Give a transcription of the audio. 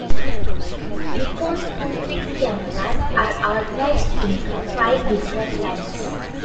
Nikon Coolpix cameras are organized into five different lines.